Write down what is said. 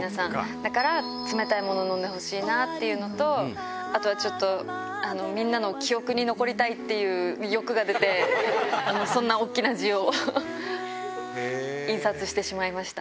だから冷たいもの飲んでほしいなっていうのと、あとはちょっと、みんなの記憶に残りたいっていう欲が出て、そんな大きな字を印刷してしまいました。